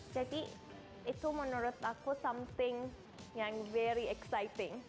jadi itu menurut aku something yang very exciting